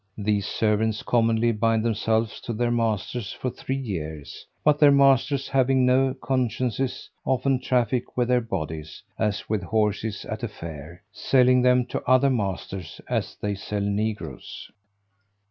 These servants commonly bind themselves to their masters for three years; but their masters, having no consciences, often traffic with their bodies, as with horses at a fair, selling them to other masters as they sell negroes.